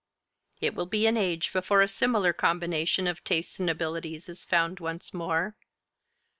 It will be an age before a similar combination of tastes and abilities is found once more.